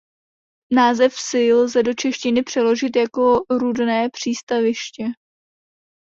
Název vsi lze do češtiny přeložit jako "Rudné přístaviště".